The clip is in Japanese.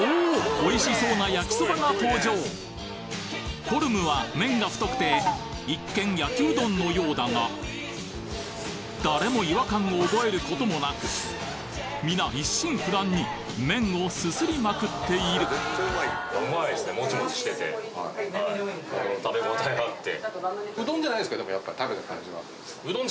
おいしそうな焼きそばが登場フォルムは麺が太くて一見焼うどんのようだが誰も違和感を覚える事もなくみな一心不乱に麺をすすりまくっているやっぱ食べた感じは。